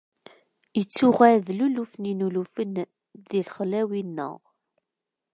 Ittuɣal d luluf n ilulufen di lexlawi-nneɣ.